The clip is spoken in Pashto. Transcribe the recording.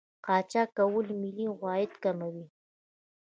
قاچاق کول ملي عواید کموي.